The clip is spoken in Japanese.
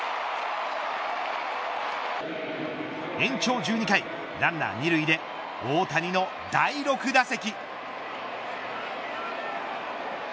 延長１２回ランナー２塁で大谷の第６打席。